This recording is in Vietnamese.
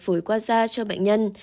phổi qua da cho bệnh nhân